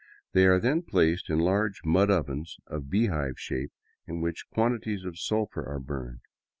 They are then placed in large mud ovens of beehive shape in which quantities of sulphur are burned.